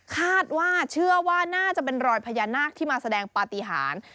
คาดว่าเชื่อว่าน่าจะเป็นรอยพญานาคที่มาแสดงปฏิหาร